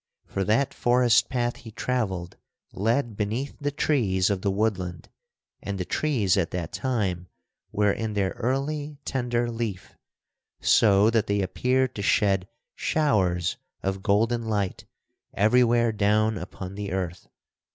For that forest path he travelled led beneath the trees of the woodland; and the trees at that time were in their early tender leaf, so that they appeared to shed showers of golden light everywhere down upon the earth.